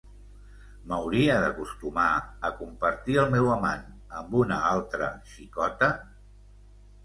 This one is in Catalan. M'hauria d'acostumar a compartir el meu amant amb una altra xicota?